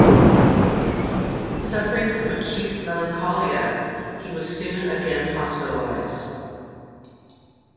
Suffering from acute melancholia, he was soon again hospitalized.